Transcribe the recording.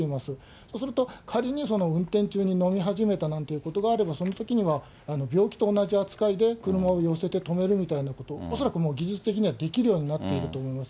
そうすると仮に運転中に飲み始めたなんていうことがあれば、そのときには病気と同じ扱いで、車を寄せて止めるみたいなこと、恐らくもう技術的にはできるようになっていると思います。